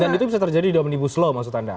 dan itu bisa terjadi di omnibus law maksud anda